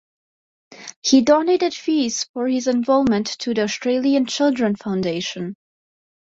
He donated fees for his involvement to the Australian Children Foundation.